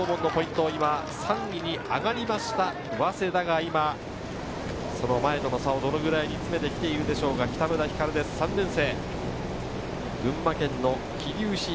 函嶺洞門のポイント、３位に上がりました早稲田が今、その前との差をどれぐらいに詰めて来ているでしょうか、北村光です、３年生。